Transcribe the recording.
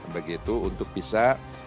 begitu untuk bisa